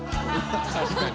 確かに。